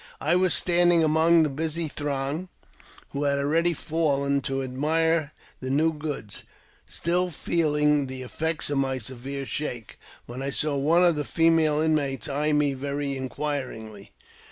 I was standing among the busy throng, who had already fallen to admire the new goods, still feeling the effects of my severe shake, when I saw one of the female inmates eye me very inquiringly.